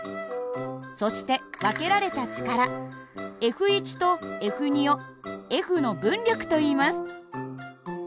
そして分けられた力ＦとＦをＦの分力といいます。